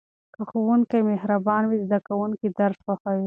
که ښوونکی مهربان وي زده کوونکي درس خوښوي.